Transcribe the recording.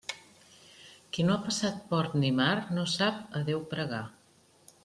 Qui no ha passat port ni mar, no sap a Déu pregar.